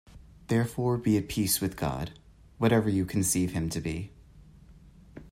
Therefore be at peace with God, whatever you conceive Him to be.